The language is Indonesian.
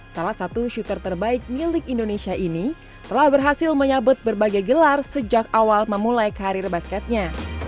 salah satu shooter terbaik milik indonesia ini telah berhasil menyabut berbagai gelar sejak awal memulai karir basketnya